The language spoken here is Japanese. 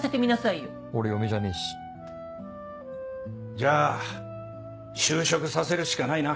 じゃあ就職させるしかないな。